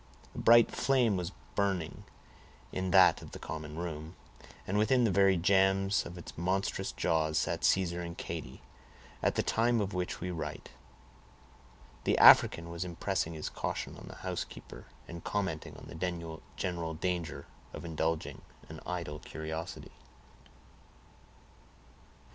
A bright flame was burning in that of the common room, and within the very jambs of its monstrous jaws sat Caesar and Katy, at the time of which we write. The African was impressing his caution on the housekeeper, and commenting on the general danger of indulging an idle curiosity.